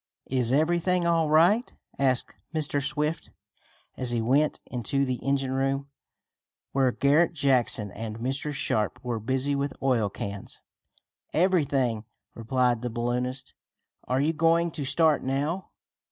"Is everything all right?" asked Mr Swift as he went into the engine room, where Garret Jackson and Mr. Sharp were busy with oil cans. "Everything," replied the balloonist. "Are you going to start now?"